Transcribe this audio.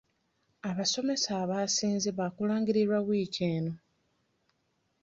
Abasomesa abasinze baakulangirirwa wiiki eno.